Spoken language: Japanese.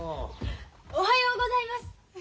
おはようございます！